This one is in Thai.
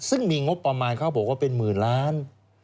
ซึ่งมีงบประมาณเขาบอกว่าเป็นหมื่นล้าน